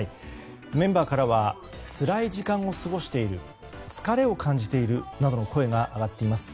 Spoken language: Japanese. メンバーからはつらい時間を過ごしている疲れを感じているなどの声が上がっています。